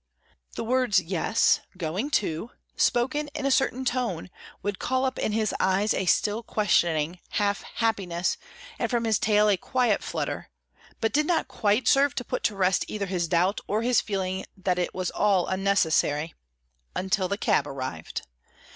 The words: "Yes—going too!" spoken in a certain tone, would call up in his eyes a still questioning half happiness, and from his tail a quiet flutter, but did not quite serve to put to rest either his doubt or his feeling that it was all unnecessary—until the cab arrived.